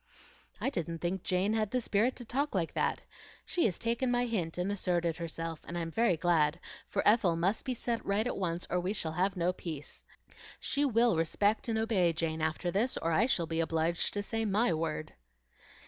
"I didn't think Jane had the spirit to talk like that. She has taken my hint and asserted herself, and I'm very glad, for Ethel must be set right at once or we shall have no peace. She will respect and obey Jane after this, or I shall be obliged to say MY word."